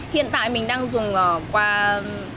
hiện tại mình đang dùng qua facebook hoặc là skype